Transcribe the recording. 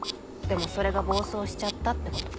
でもそれが暴走しちゃったってこと。